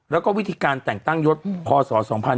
แล้วก็วิธีการแต่งตั้งยศพศ๒๕๕๙